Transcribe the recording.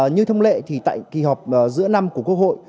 như thông lệ thì tại kỳ họp giữa năm của quốc hội